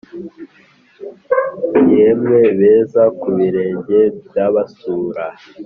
yemwe beza kubirenge byabasura,